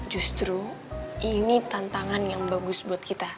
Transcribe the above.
justru ini tantangan yang bagus buat kita